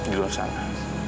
di luar sana